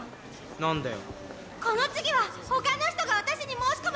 何だよ。